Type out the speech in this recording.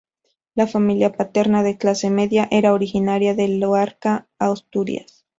La familia paterna, de clase media, era originaria de Luarca, Asturias.